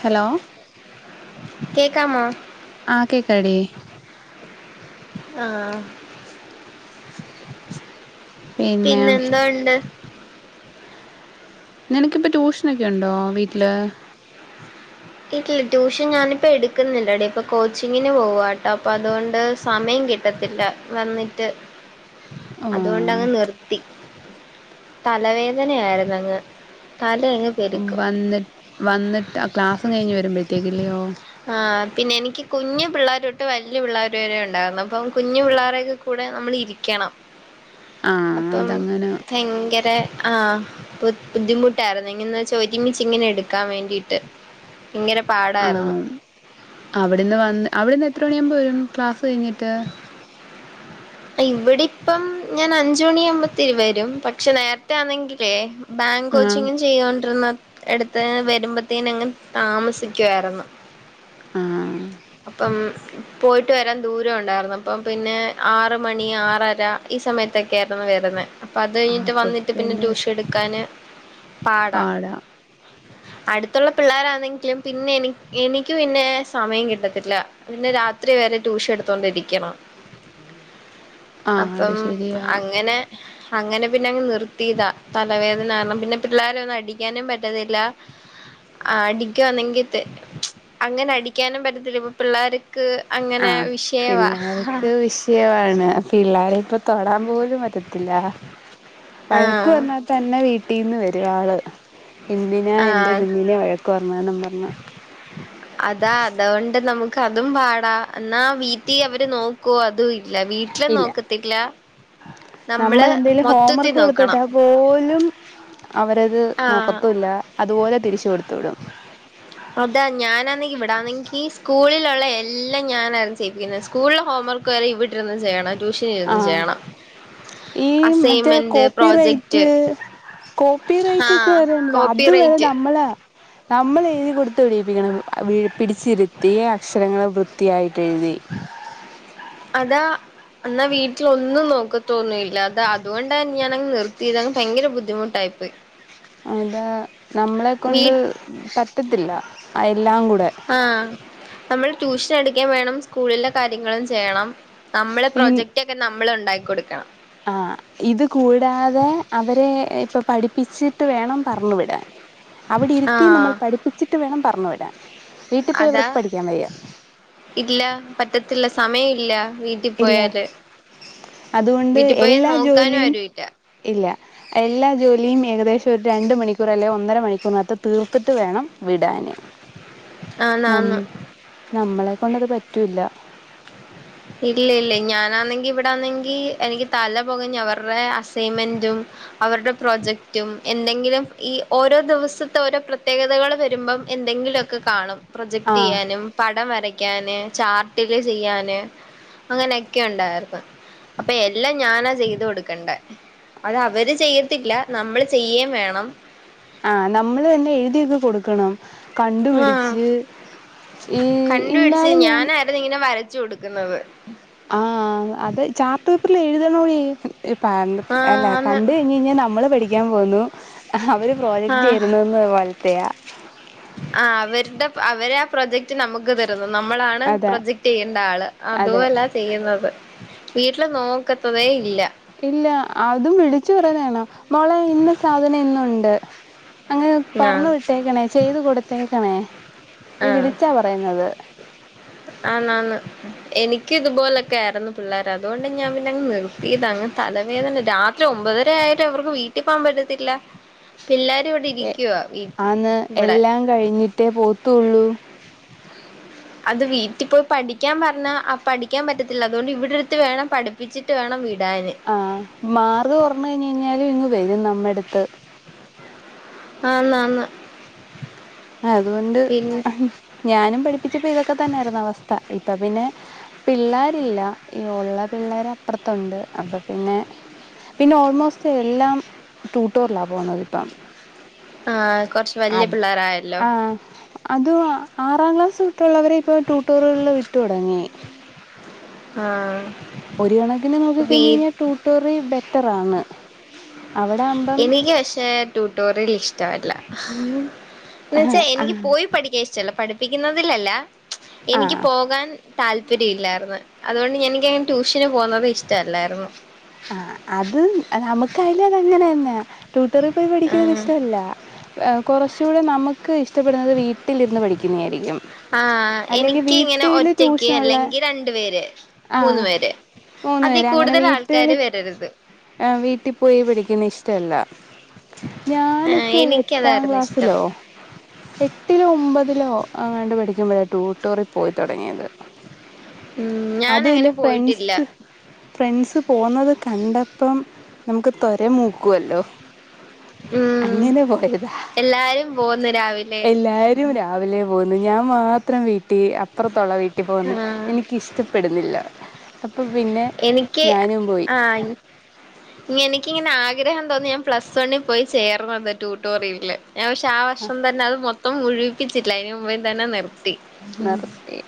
Hello കേക്കാമോ ആഹ് കേക്കാടി ആഹ് പിന്നെ പിന്നെന്തോ ഇണ്ട് നിനക്കിപ്പം ട്യൂഷനൊക്കെ ഉണ്ടോ വീട്ടില് ഇല്ല ട്യൂഷൻ ഞാനിപ്പോ എടുക്കുന്നില്ലടി ഇപ്പൊ കോച്ചിങ്ങിന് പോകുവാട്ടോ അപ്പൊ അതുകൊണ്ട് സമയം കി ട്ടത്തില്ല വന്നിട്ട് ആ അത് കൊണ്ട് അങ്ങ് നിർത്തി തലവേദന ആയിരുന്നു അങ്ങ് തല അങ്ങ് വന്ന് വന്ന്ട്ട് ആഹ് ക്ലാസ് കഴിഞ്ഞ് വരുമ്പോഴത്തേക്കില്ലയോ ആ പിന്നെ എനിക്ക് കുഞ്ഞു പിള്ളേരു തൊട്ട് വല്യ പിള്ളേർ വരെ ഉണ്ടായിരുന്നു അപ്പം കുഞ്ഞു പിള്ളോരൊക്കെ കൂടെ നമ്മൾ ഇരിക്കണം ആ അപ്പം അതങ്ങനെ ഭയങ്കര ആഹ് ബുദ്ധിമുട്ടായിരുന്നു ഇന്ന് എന്ന് വെച്ചാൻ ഇങ്ങനെ എടുക്കാൻ വേണ്ടിട്ട് ഇങ്ങനെ പാടായിരുന്നു അവിടെന്ന് വന്ന് അവിടുന്ന് എത്ര മണിയാകുമ്പ വരും ക്ലാസ്സ് കഴിഞ്ഞിട്ട് ഇവിടെപ്പം ഞാൻ അഞ്ച് മണി ആകുമ്പോത്തേന് വരും പക്ഷെ നേരത്തെ ആന്നെങ്കിലേ ബാങ്ക് ആ കോച്ചിങും ചെയ്തോണ്ടിരുന്ന എടുത്ത് വരുമ്പോത്തേന് അങ്ങ് താമസിക്കുമായിരുന്നു ആ അപ്പം പോയിട്ട് വരാൻ ദൂരം ഉണ്ടായിരുന്നു അപ്പം പിന്നെ ആറ് മണി ആറര ഈ സമയത്തൊക്കെയായിരുന്നു വരുനെ അപ്പൊ അത് കഴിഞ്ഞിട്ട് വന്നിട്ട് പിന്നെ ട്യൂഷൻ എടുക്കാന് പാടാ അടുത്ത് ള്ള പിള്ളേരാന്നെങ്കിലും പിന്നെ എനി എനിക്ക് പിന്നെ സമയം കിട്ടത്തില്ല പിന്നെ രാത്രി വരെ ട്യൂഷൻ എടുത്തോണ്ടിരിക്കണം ആ അത് അപ്പം ശരിയാ അങ്ങനെ അങ്ങനെ പിന്നെ അങ്ങ് നിർത്തിയതാ തലവേദന കാരണം പിന്നെ പിള്ളാരെ ഒന്നും അടിക്കാനും പറ്റത്തില്ല ആഹ് അടിക്കുവാന്നെങ്കിത്തെ അങ്ങനെ അടിക്കാനും പറ്റത്തില്ല ഇപ്പ പിള്ളേർ ക്ക് അങ്ങനെ വിഷയവാ സത്യമാണ് പിള്ളേരെ ഇപ്പ തൊടാൻ പോലും പറ്റത്തില്ല വഴക്ക് ആഹ് വന്നാ തന്നെ വീട്ടിൽ നിന്ന് വരുംആൾ എന്തിനാ എൻ്റെ ആഹ് കുഞ്ഞിനെ വഴക്ക് പറഞ്ഞതെന്നും പറഞ്ഞ് [inaudible] അതാ അതുകൊണ്ട് നമുക്ക് അതും പാടാ എന്നാ വീട്ടിൽ അവര് നോക്കോ അതും ഇ- ഇല്ല വീട്ടില് ഇല്ല നോക്കത്തില്ല നമ്മള് നമ്മളെന്തേലും മൊത്തത്തി ഹോംവർക്ക് കൊടുത്ത് നോക്കണം വിട്ടാ പോലും അവരത് ആഹ് നോക്കത്തുല്ല അതുപോലെ തിരിച്ചു കൊടുത്തു വിടും [inaudible] അതാ ഞാനാന്നെങ്കി ഇവിടാന്നെങ്കി സ്കൂളിലുള്ള എല്ലാം ഞാനാ ചെയ്യിപ്പിക്കുന്ന സ്കൂളിലെ ഹോംവർക്ക് വരെ ഇവിടുരുന്ന് ചെയ്യണം ട്യൂഷന് ഇരുന്നും ആഹ് ചെയ്യണം ഈ മറ്റേ ആ assignment copy project right copy right ഒക്കെ ആഹ് വരോല്ലോ കോപ്പി അത് വരെ റൈറ്റ് നമ്മളാ നമ്മൾ എഴുതി കൊടുത്ത് വിടുവിപ്പി ക്കണം പിടിച്ചിരുത്തി അക്ഷരങ്ങള് വൃത്തിയായിട്ട് എഴുതി അതാ എന്നാ വീട്ടിഒന്നും നോക്കത്തൊന്നുഇല്ല അതാ അതുകൊണ്ടാ തന്നെ ഞാനങ്ങ് നിർത്തിയത് അങ്ങ് ഭയങ്കര ബുദ്ധിമുട്ടായി പ്പോയി അതാ നമ്മളെ കൊണ്ട് പറ്റത്തില്ല എല്ലാം കൂടെ ആ നമ്മൾ ട്യൂഷൻ എടുക്കയും വേണം സ്കൂളിലെ കാര്യങ്ങളും ചെയ്യണം നമ്മള് പ്രൊജക്റ്റ് ഒക്കെ നമ്മൾ ഉണ്ടാക്കി കൊടുക്കണം ആ ഇത് കൂടാതെ അവരെ ഇപ്പൊ പഠിപ്പിച്ച് ട്ട് വേണം പറഞ്ഞ് വിടാൻ അവിടെരുത്തി ആഹ് നമ്മൾ പഠിപ്പിച്ചിട്ട് വേണം പറഞ്ഞു വിടാൻ വീട്ടിൽ പോയി അതാ ഇവർക്ക് പഠിക്കാൻ വയ്യ ഇല്ല പറ്റത്തില്ല സമയം ഇല്ല വീ ഇല്ല അതുകൊണ്ട് വീട്ടിൽ പോയാ എല്ലാ നോക്കാനും ജോലിയും ആരുല്ല ഇല്ല എല്ലാ ജോലിയും ഏകദേശം ഒരു രണ്ട് മണിക്കൂർ അല്ലെ ഒന്നര മണിക്കൂറിനകത്ത് തീർത്തിട്ട് വേണം വിടാന് ഉ ന നമ്മളെ കൊണ്ടത് പറ്റൂല്ല ഇല്ല ഇല്ല ഞാനാന്നെങ്കി ഇവിടെ ആന്നെങ്കി എനിക്ക് തല പൊകഞ്ഞ അവരുടെ അസൈൻമെന്റും അവരുടെ പ്രോജക്റ്റും എന്തെങ്കിലും ഈ ഓരോ ദിവസത്തെ ഓരോ പ്രത്യേകതകൾ വരുമ്പം എന്തെങ്കിലും ഒക്കെ കാണും പ്രൊജക്ട് ആഹ് ചെയ്യാനും പടം വരയ്ക്കാന് ചാർട്ടില് ചെയ്യാന് അങ്ങനെയൊക്കെഉണ്ടായിരുന്ന് അപ്പൊ എല്ലാം ഞാനാ ചെയ്ത് കൊടുക്കണ്ടേ അത് അവര് ചെയ്യത്തില്ല നമ്മള് ചെയ്യേം വേണം ആഹ നമ്മള് തന്നെ എഴുതിയൊക്കെ കൊടുക്കണം ആഹ് കണ്ടുപിടിച്ച് ഈ ഇന്നാളും ഞാൻ അവി ഇങ്ങനെ വരച്ചു കൊടുക്കുന്നത് ആഹ അത് ചാർട്ട് പേപ്പറിൽ എഴുതണോടി ഇപ്പ ആഹ് അല്ല ആന്ന് കണ്ട് കഴിഞ്ഞഴിഞ്ഞാൽ നമ്മൾ പഠിക്കാൻ പോകുന്നു അവര് പ്രോജക്ട് ചെയ്യരുന്നന്ന് പോലത്തെയാ ആ അവരുടെ അവരെ പ്രൊജക്റ്റ് നമുക്ക്തരുന്ന് നമ്മളാണ് അതാ പ്രൊജക്റ്റ്‌ ചെയ്യേണ്ട ആള് അതെ അതുഅല്ല ചെയ്യുന്നത് വീട്ടില് നോക്കത്തതേ ഇല്ല ഇല്ല അതും വിളിച്ചു പറയു വേണം മോളെ ഇന്നസാധനം ഇന്നുണ്ട് അങ്ങനെ ആഹ് പറഞ്ഞു വിട്ടേക്കണേ ചെയ്തു കൊടുത്തേക്കണേ ഈ വിളിച്ചാ പറയുന്നത് ആന്ന് ആന്ന് എനിക്ക് ഇതുപോലൊക്കെ ആയിരുന്നു പിള്ളേർ അതുകൊണ്ട് ഞാൻ പിന്നെങ് നിർത്തിയതാ അങ് തലവേദന രാത് ഒമ്പതര ആയിട്ടും അവർക്ക് വീട്ടിൽ പോവാൻ പറ്റത്തില്ല പിള്ളേ ഇവിടെ ഇരിക്കുവാ വീട്ടിൽ ഇവിടെ കഴിഞ്ഞിട്ടെ പോവത്തുള്ളൂ അത് വീട്ടിൽ പോയി പഠിക്കാൻ പറഞ്ഞാ പഠിക്കാൻ പറ്റത്തില്ല അതുകൊണ്ട് ഇവിടെ ഇരുത്തി വേണം പഠിപ്പിച്ചിട്ട് വേണം വിടാന് ആ മാർക്ക് കുറഞ്ഞഴിഞ്ഞാലും ഇങ്ങ് വരും നമ്മ അടുത്ത് ആന്ന് ആന്ന് അതുകൊണ്ട് ഞാനും പഠിപ്പിച്ചപ്പൊ ഇതൊക്കെ തന്നെയായിരുന്നു അവസ്ഥ ഇപ്പൊ പിന്നെ പിള്ളേരില്ല ഈ ഉള്ള പിള്ളേർ അപ്പുറത്തുണ്ട് അപ്പൊ പിന്നെ പിന്നെ ഓൾമോസ്റ്റ് എല്ലാം ടൂട്ടോറിലാ പോണത് ഇപ്പം ആഹ കൊറച്ച് വല്യ പിള്ളേരായല്ലോ ആ അത് ആറാം ക്ലാസ് തൊട്ടുള്ളവരെ ഇപ്പൊ ട്യൂട്ടോറികളില് വിട്ടു തൊ ടങ്ങി ആഹ ഒരു കണക്കിന് നോക്കി കഴിഞ്ഞഴി ഞ്ഞാൽ ടൂട്ടോറി ബെറ്ററാണ് അവിടെ ആകുമ്പം എനിക്ക് പക്ഷേ ട്യൂട്ടോറിയൽ ഇഷ്ട്ട മല്ല എന്ന വച്ചാൽ എനിക്ക് പോയി പഠിക്കാൻ ഇഷ്ടല്ലോ പഠിപ്പിക്കുന്നതിലല്ല ആ എനിക്ക് പോകാൻ താല്പര്യം ഇല്ലായിരുന്നു അതുകൊണ്ട് എനിക്കങ്ങനെ ട്യൂഷന് പോകുന്നത് ഇഷ്ടമല്ലായിരുന്നു ആഹ് അത് നമുക്ക് അയില അതങ്ങനെന്നെയ ട്യൂട്ടറിൽ പോയി പഠിക്കുന്നത് ആഹ് ഇഷ്ടമല്ല കുറച്ചുകൂടെ നമുക്ക് ഇഷ്ടപ്പെടുന്നത് വീട്ടിലിരുന്ന് പഠിക്കുന്നതായിരിക്ക ആഹ് എനിക്ക് ഇങ്ങനെ ഒറ്റക്ക് ട്യൂഷനുള്ള അല്ലെങ്കി രണ്ടു പേര് മൂന്ന് വരെ മൂന്നു പേരെ അങ്ങനെ വീട്ടുകളിൽ വീട്ടിൽ പോയി പിടിക്കുന്ന ഇഷ്ടമല്ല ഞാനൊക്കെ എട്ടാം എനിക്കതായിരുന്നു ഇഷ്ടം ക്ലാസ്സിലോ എട്ടിലോ ഒമ്പതിലോ ങാണ്ടാ പഠിക്കുമ്പോഴാണ് ട്യൂട്ടോറി പോയി തുടങ്ങിയത് ഉം അത ഇല്ല ഞാനങ്ങനെ പോയിട്ടില്ല ഫ്രണ്ട്സ് ഫ്രണ്ട്സ് പോകുന്നത് കണ്ടപ്പം നമുക്ക് ത്വര മൂക്കുല്ലോ അങ്ങനെ പോയതാ എല്ലാവരും പോകുന്ന രാവിലെ എല്ലാരും രാവിലെ പോകുന്നു ഞാൻ മാത്രം വീട്ടി അപ്പുറത്തുള്ള വീട്ടിൽ പോകുന്ന ആഹ് എനിക്കിഷ്ടപ്പെടുന്നില്ല. അപ്പം പിന്നെ എനിക്ക് ഞാനും പോയി. ആഹ് എനിക്കിങ്ങനെ ആഗ്രഹം തോന്നി ഞാൻ പ്ലസ് വണ്ണിൽ പോയി ചേർന്നത് ട്യൂട്ടോറിയില് ഞാൻ പക്ഷെ ആ വർഷം തന്നെ അത് മൊത്തം മുഴിവിപ്പിച്ചില്ല അതിന് മുമ്പേ തന്നെ നിർത്തി നിർത്തി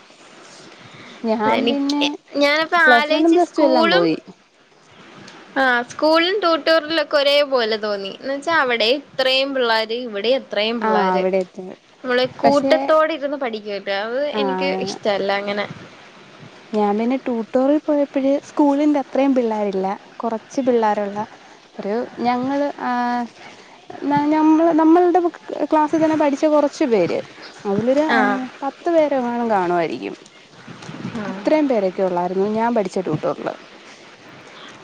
ഞാൻ പിന്നെ എനിക്ക് ഞാനപ്പ പ്ലസ് വണ്ണും ആലോയിച്ച് പ്ലസ് ടു എല്ലാം സ്കൂളും. പോയി ആഹ് സ്കൂളിലും ട്യൂട്ടറിയിലും ഒക്കെ ഒരേ പോലെ തോന്നി എന്ന് വെച്ചാ അവിടെ ഇത്രയും പിള്ളോര് ഇവിടെ എ ഇത്രയും ആഹ് പിള്ളോര് അവിടെ എത്തി നമ്മള് പക്ഷേ കൂട്ടത്തോടെ ഇരുന്ന് പഠിക്കല്ല രാവ് എനിക്ക് ആഹ് ഇഷ്ടല്ല അങ്ങനെ ഞാൻ പിന്നെ ട്യൂട്ടോറിൽ പോയപ്പോഴ് സ്കൂളിറെ അത്രയും പിള്ളേരില്ല കൊർ ച് പിള്ളേരുള്ള ഒരു ഞങ്ങള് ആ ന ഞമ്മൾ നമ്മളുടെ ക്ലാസ്സിൽ തന്നെ പഠിച്ച കൊറച്ചു പേര്. അതിലൊരു ആഹ് പത്ത് പേരെങ്ങാനും കാണുയിരിക്കും. ആഹ് അത്രയും പേരൊക്കെ ഉള്ളായിരുന്നു ഞാൻ പഠിച്ച ട്യൂട്ടൂറിൽ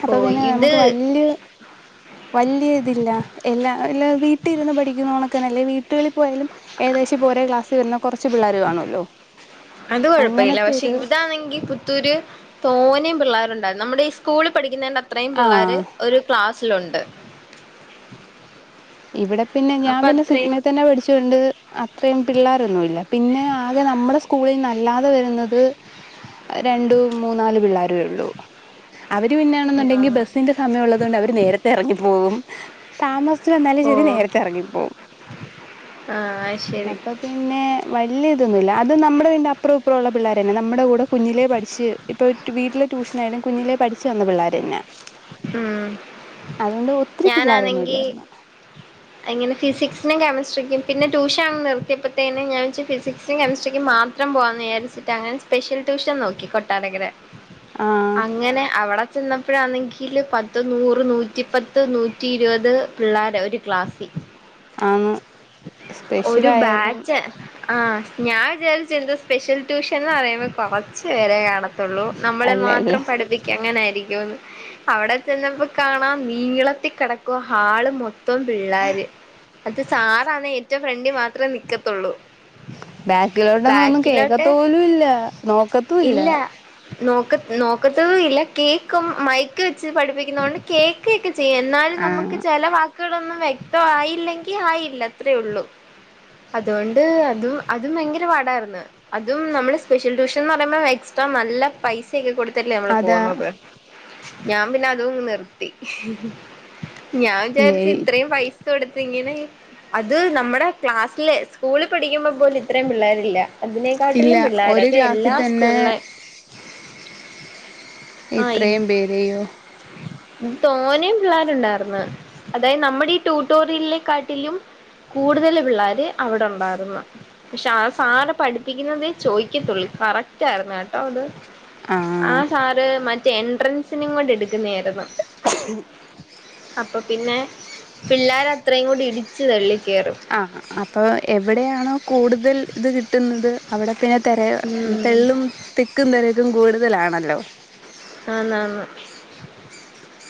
അപ്പ ഓഹ് പിന്നെ ഇത് നമുക്ക് വല്യയ [inaudible] വല്ല്യ ഇതില്ല എല്ലാ എല്ല വീട്ടിരുന്ന് പഠിക്കുന്നോണക്കനെ അല്ലെ വീട്ടുകളിൽ പോയാലും ഏകദേശം ഇപ്പോ ഒരേ ക്ലാസ്സിൽ വരുന്ന കൊറച്ച് പിള്ളേർ കാണുവല്ലോ അങ്ങനത്തെരു അത്തരു തോന്നേയും പിള്ളേരുണ്ടായിരുന്നു നമ്മുടെ ഈ സ്കൂളിൽ പഠിക്കുന്നതിന്റെ അത്രയും പിള്ളേർ ആഹ് ഒരു ക്ലാസ്സിലുണ്ട് ഇവിടെ പിന്നെ ഞാൻ അപ്പൊ പിന്നെ അത്രയും സിഗ്മ തന്നെ പഠിചോണ്ട്. അത്രയും പിള്ളോരൊന്നുല്ല പിന്നെ ആകെ നമ്മുടെ സ്കൂളിൽന്നല്ലാതെ വരുന്നത്. രണ്ടും മൂന്നാല് പിള്ളേരു ഉള്ളൂ. അവര് പിന്നെയാണെന്നുണ്ടെങ്കി ആഹ് ബസ്സിന്റെ സമയം ഉള്ളത കൊണ്ട് അവര് നേരത്തെ എറങ്ങി പോകും താമസ താമസിച്ച് വന്നാലും ശരി ഓഹ് നേരത്തെ എറങ്ങിപ്പോകും ആഹ് ശരി അപ്പൊ പിന്നെ വല്ല്യ ഇതൊന്നുല്ല അത് നമ്മുടെ വന്റെ അപ്പുറം അപ്പറം ഉള്ള പിള്ളേർ തന്നെ നമ്മുടെ കൂടെ കുഞ്ഞിലേ പഠിച്ച് ഇപ്പോൾ വീട്ടില് ട്യൂഷനായാലും കുഞ്ഞിലേ പഠിച്ച് വന്ന പിള്ളേർന്നെ ഉം അതുകൊണ്ട് ഒത്തിരി പിള്ളോരൊന്നു മില്ലായിരുന്നു [inaudible] അങ്ങനെ ഫിസിക്സിനും കെമസ്ട്രിക്കും പിന്നെ ട്യഷൻ അങ് നിത്തിയപ്പോഴത്തേെ ഞാൻ വ ഫിസിക്സും തെമിസ്ട്രിക്കും മാത്രം ഇത്രം പോവാന്ന് വിചാരിച്ചിട്ട് അങ്ങനെ സ്പെഷ്യൽ ട്യൂഷൻ നോക്കി കൊട്ടാരകര ആഹ് അങ്ങനെ അവിടെ ചെന്നപ്പോഴാന്നെങ്കി എറ്റിൽ പത്ത് നൂറ് നൂറ്റിപ്പത്ത് നൂറ്റി ഇരുപത് പിള്ളേരെ ഒരു ക്ലാസ്സിൽ ആന്ന് ഒരു സ്പെഷ്യലായാലും ബാച്ച് ആഹ് ഞാൻ വിചാരിച്ചെത് സ്പെഷ്യൽ ട്യൂഷൻ എന്ന് പറയുമ്പോ കൊറച്ചു പേരെ കാണ നമ്മളെ അല്ല അല്ല മാത്രം പഠിപ്പക്ക് അങ്ങനായിരിക്കുമ എന്ന് അവിടെ ചെന്നപ്പോ കാണാ നീളത്തി കെടക്കുവ ഹാള് മൊത്ത മൊത്തം പിള്ളോര് അത് സാറാാണ് ഏറ്റ ഫ്രണ്ട് മാത്രമേ നിക്കത്തുള്ളൂ ബാക്കിലോട്ടന്ന ഒന്നും ബാക്കിലോട്ട് കേക്കത്തോലും ഇല്ല നോക്കത്തൂല്ല. ഇല്ല നോക്ക നോക്കത്തതും ഇല്ല കേക്കും മൈക്ക് വെച്ച് പഠിപ്പിക്കുന്നോണ്ട് കേക്ക ഒക്കെ ചെയ്യും എന്നാലും നമുക്ക് ആഹ് ചെലവാ മക്കടൊന്നും വ്യക്തയില്ലെങ്കിൽ ആയില്ല അത്രേ ഉള്ളൂ അതുകൊണ്ട് അതും അതും ഭയങ്കര പാടായിര്ന്ന് അതും നമ്മള് സ്പെഷ്യൽ ട്യൂഷൻ എന്ന് പറയുമ്പോ എക്സ്ട്രാ നല്ല പൈസയൊക്കെ കൊടുത്തിട്ടല്ലേ നമ്മള് അതാ പോവുന്നത്. ഞാൻ പിന്നെ അത നിർത്തി ഞാൻ വിചാരിച്ച ഏയ് ഇത്രയും പൈസ ടുത്തിങ്ങനെ അത് നമ്മുടെ ക്ലാസ്സില്സ്കൂള പഠിക്കുമ്പോ പോലും ഇത്രയും പിള്ളേരില്ല. ഇല്ല അതിനെക്കാട്ടിലും ഒരു പിള്ളോരൊക്കെ ക്ലാസ്സിൽ എല്ലാ തന്നെ സ്കൂളില ഇത്രയും പേരെയോ തോനും പിള്ളേരുണ്ടായിന്ന് അതായത് നമ്മുടെ ഈ ട്യൂട്ടോറിയലിനെക്കാട്ടിലും കൂടുതൽ പിള്ളോര് അവിടെ ഉണ്ടായിര്ന്നു പക്ഷെ ആ സാര പഠിപ്പിക്കുന്നുന്നത് ചോദിക്കത്തുള്ളൂ കറക്റ്റ് ആയിരുന്നു കേട്ടോ അത് ആ ആഹ് സാറ് മറ്റേ എൻട്രൻസിനും കൊണ്ട് എടുക്കുന്നായിരുന്നു [inaudible] അപ്പൊ പിന്നെ പിള്ളേർ അത്രയും കൂടി ഇടിച്ചു തള്ളി കേറും ആഹ് അപ്പൊ എവിടെയാണോ കൂടുതൽ ഇത് കിട്ടുന്നത് അവിടെ പിന്നെ ഉം തിക്കും തിരക്കും കൂടുതലാണല്ലോ ആന്ന് ണ്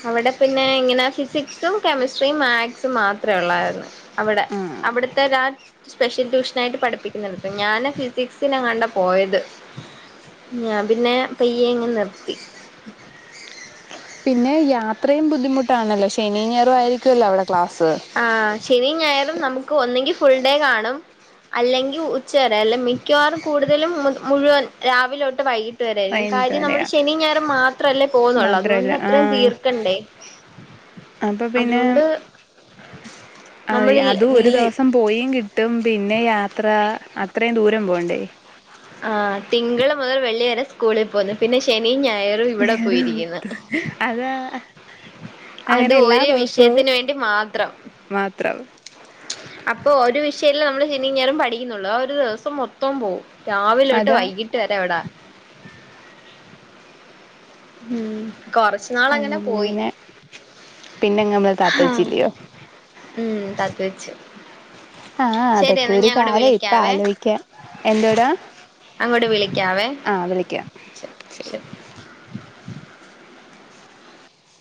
അവിടെ പിന്നെ ഇങ്ങനെ ഫിസിക്സും കെമിസ്ട്രിയും മാക്സും മാത്രമേ ഉള്ളായിരുന്നു അവിടെ ആഹ് അവിടുത്തെ ദാ സ്പെഷ്യൽ ട്യൂഷനയിട്ട് പഠിപ്പിക്കുന്ന ഞാന് ഫിസിക്സിനെങ്ങാണ്ടാ പോയത് ഞാ പിന്നെ പയ്യെ അങ്ങ് നിർത്തി പിന്നെ യാത്രയും ബുദ്ധിമുട്ടാണല്ലോ ശനിഞായറും ആയിരിക്കുമല്ലോ അവിടെ ക്ലാസ്സ് ആഹ് ശനി ഞായരും നമുക്ക് ഒന്നെങ്കി ഫുൾ ഡേ കാണും അല്ലെങ്കിൽ ഉച്ചവരെ അല്ല മിക്കവാറും കൂടുതലും മുഴുവൻ രാവിലോട്ട് വൈകിട്ട വരെയായിരിക്കും വൈകിട്ട് കാര്യം നമ്മുടെ വരെയാ ശനി ഞയറും മാത്രല്ലേ പോകുന്നുള്ളൂ അതുകൊണ്ട് മാത്രല്ല അത്രയും ആഹ് തീർക്കണ്ടേ അപ്പൊ പിന്നെ അതുകൊണ്ട് നമ്മളിൽ അതും ഒരു ഈ ദിവസം പോയി കിട്ടും പിന്നെ യാത്ര അത്രയും ദൂരം പോണ്ടേ ആഹ് തിങ്കൾ മുതൽ വെള്ളി വരെ സ്കൂളിൽ പോന്നു പിന്നെ ശനിയും ഞായറും ഇവിടെ ഞായറ് പോയിരിക്കുന്നു അതാ അത് അങ്ങനെ എല്ലാ ഒരു ദിവസവും വിഷയത്തിന് വേണ്ടി മാത്രം മാത്രം അപ്പൊ ഒരു വിഷയല്ല നമ്മള് ശനിം ഞായറും പഠിക്കുന്നുള്ളൂ ആ ഒരു ദിവസം മൊത്തം പോവും രാവിലെ തൊട്ട് അതാ വൈകിട്ട് വരെ അവിടാ ഉംമ് കൊറച്ച് നാളങ്ങനെ പോയി അങ്ങനെ പിന്നെ നമ്മളെ ഹാ താത്തച്ചില്ലയോ ഉം തത്ത് വെച്ചു ആഹ് അതൊക്കെ ഒരു കാലം ഇപ്പ വിളിക്കാവേ ആലോയിക്കാം എന്തോടാ അങ്ങോട്ട് വിളിക്കാവേ ആഹ് വിളിക്കാം ശരി